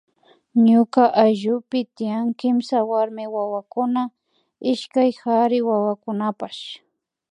Ñuka ayllupi tian kimsa warmi wawakuna ishkay kari wawakunapash